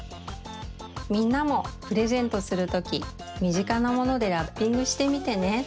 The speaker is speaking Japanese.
みんなもプレゼントするときみぢかなものでラッピングしてみてね。